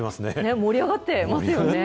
盛り上がってますよね。